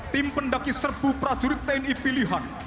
tim pendaki serbu prajurit tni pilihan